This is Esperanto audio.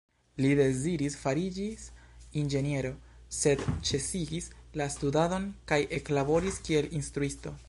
Li deziris fariĝis inĝeniero, sed ĉesigis la studadon kaj eklaboris kiel instruisto.